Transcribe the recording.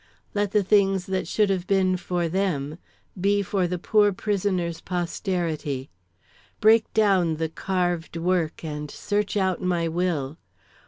"Let the things that should have been for them be for the poor prisoner's posterity. "Break down the carved work and search out my will.